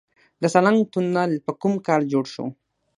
د سالنګ تونل په کوم کال جوړ شو؟